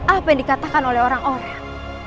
apa yang dikatakan oleh orang orang